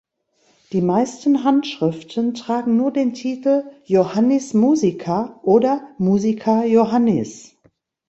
Die meisten Handschriften tragen nur den Titel "Johannis Musica" oder "Musica Johannis".